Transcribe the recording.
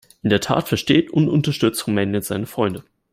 In der Tat versteht und unterstützt Rumänien seine Freunde.